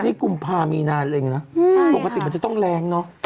นี่กุมภามีนาเล็งนะปกติมันจะต้องแรงเนอะ